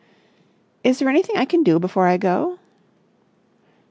"Is there anything I can do before I go?"